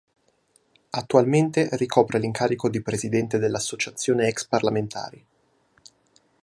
Attualmente ricopre l'incarico di Presidente dell'Associazione ex parlamentari.